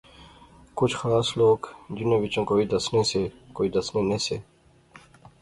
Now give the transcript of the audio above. کچھ خاص لوک جنہاں وچا کوئی دسنے سے کوئی دسنے نہسے